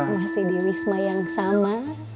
masih di wisma yang sama